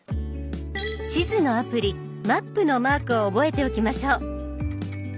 地図のアプリ「マップ」のマークを覚えておきましょう。